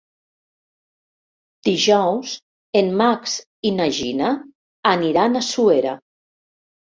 Dijous en Max i na Gina aniran a Suera.